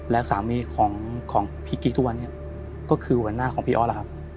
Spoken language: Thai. และสามีของพี่กิ๊กทุกวันนี้ก็คือหัวหน้าของพี่ออสล่ะครับ